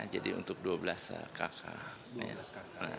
jadi untuk dua belas kakak